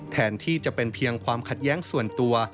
แทนที่จะเป็นเพียงความขัดแย้งส่วนตัว